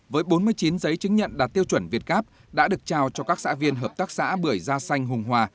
với bốn mươi chín giấy chứng nhận đạt tiêu chuẩn việt gáp đã được trao cho các xã viên hợp tác xã bưởi da xanh hùng hòa